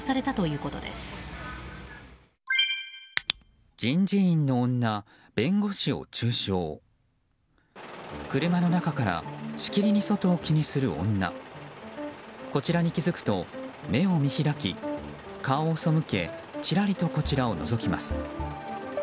こちらに気付くと目を見開き顔をそむけちらりと、こちらをのぞきます。